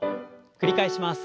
繰り返します。